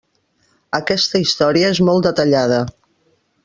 Aquesta història és molt detallada.